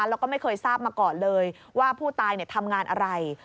แล้วก็ไม่เคยทราบมาก่อนเลยว่าผู้ตายทำงานอะไร